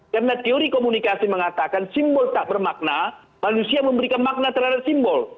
karena teori komunikasi mengatakan simbol tak bermakna manusia memberikan makna terhadap simbol